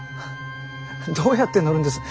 どうやって乗るんです？